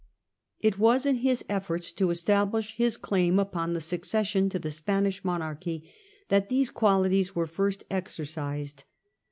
It was in his efforts to establish his claim upon the succession to the Spanish monarchy that these qualities were first exercised.